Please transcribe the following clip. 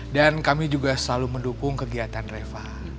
dan kami juga selalu mendukung kegiatan reva